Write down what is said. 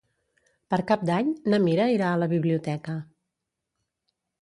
Per Cap d'Any na Mira irà a la biblioteca.